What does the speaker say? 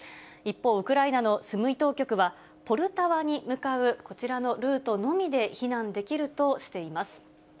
一方、ウクライナのスムイ当局はポルタワに向かうこちらのルートのみで避難できるとしています。